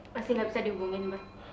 masih tidak bisa dihubungi mbak